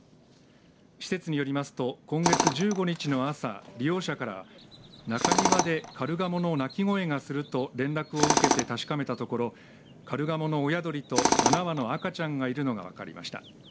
施設によりますと今月１５日の朝利用者から中庭でカルガモの鳴き声がすると連絡を受けて確かめたところカルガモの親鳥と７羽の赤ちゃんがいるのが分かりました。